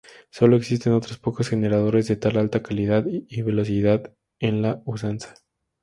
Sólo existen otros pocos generadores de tal alta calidad y velocidad en la usanza.